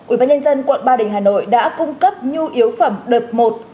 ủy ban nhân dân quận ba đình hà nội đã cung cấp nhu yếu phẩm đợt một